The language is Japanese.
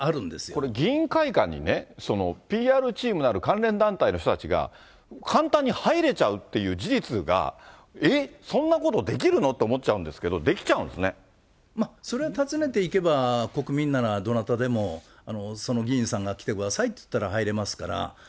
これ、議員会館にね、そのＰＲチームなる関連団体の人たちが簡単に入れちゃうっていう事実が、えっ、そんなことできるの？って思っちゃうんですけど、できちゃうんでそれは訪ねていけば、国民ならどなたでも、その議員さんが来てくださいって言ったら入れますから。